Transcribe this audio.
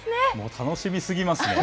楽しみすぎますね。